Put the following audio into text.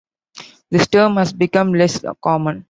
This term has become less common.